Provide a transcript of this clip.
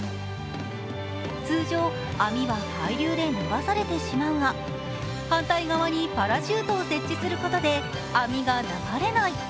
通常網は海流で流されてしまうが反対側にパラシュートを設置することで網が流れない。